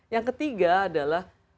yang ketiga adalah